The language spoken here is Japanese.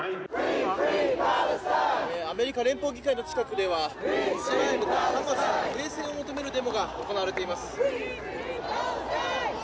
アメリカ連邦議会の近くではイスラエルとハマスに停戦を求めるデモが行われています。